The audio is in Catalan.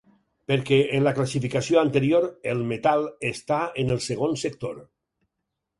Perquè, en la classificació anterior, el metal està en el segon sector.